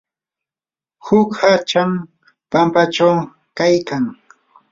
huk hacham pampachaw kaykan.